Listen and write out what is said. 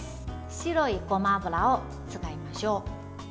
白いごま油を使いましょう。